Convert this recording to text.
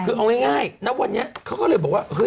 คือเอาง่ายณวันนี้เขาก็เลยบอกว่าเฮ้ย